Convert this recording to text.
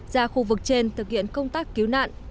ra khu vực trên thực hiện công tác cứu nạn